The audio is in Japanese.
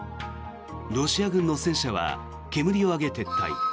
ロシア軍の戦車は煙を上げ、撤退。